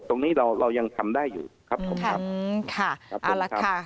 ตรงนี้เรายังทำได้อยู่ขอบคุณครับ